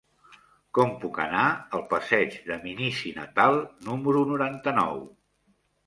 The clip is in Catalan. Com puc anar al passeig de Minici Natal número noranta-nou?